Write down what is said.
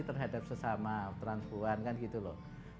terhadap sesama transpuan kan gitu loh